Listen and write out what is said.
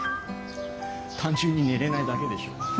単純に寝れないだけでしょ。